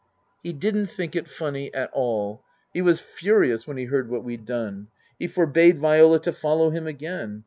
He didn't think it funny at all. He was furious when he heard what we'd done. He forbade Viola to follow him again.